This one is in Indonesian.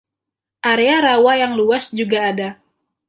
Area rawa yang luas juga ada.